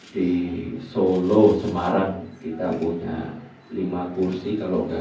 di solo semarang kita punya lima kursi kalau sudah